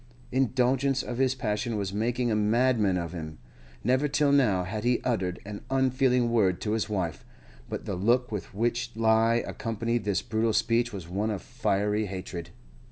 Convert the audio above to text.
Indulgence of his passion was making a madman of him. Never till now had he uttered an unfeeling word to his wife, but the look with which he accompanied this brutal speech was one of fiery hatred.